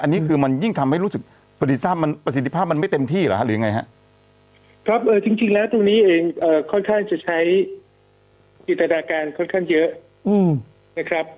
อันนี้คือมันยิ่งทำให้รู้สึกประสิทธิภาพมันไม่เต็มที่หรือไงครับ